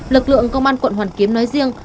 lực lượng công an quận hoàn kiếm nói riêng